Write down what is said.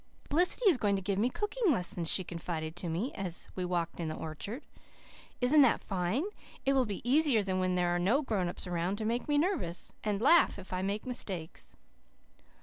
"Felicity is going to give me cooking lessons," she confided to me, as we walked in the orchard. "Isn't that fine? It will be easier when there are no grown ups around to make me nervous, and laugh if I make mistakes."